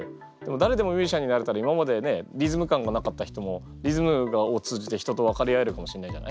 誰でもミュージシャンになれたら今までねリズム感がなかった人もリズムを通じて人と分かり合えるかもしれないじゃない？